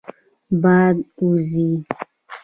باد وزي.